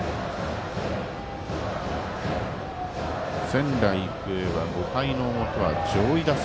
仙台育英は５回の表は上位打線。